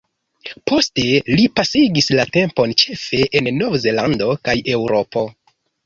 Poste li pasigis la tempon ĉefe en Nov-Zelando kaj Eŭropo.